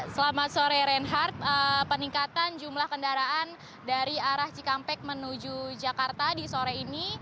selamat sore reinhardt peningkatan jumlah kendaraan dari arah cikampek menuju jakarta di sore ini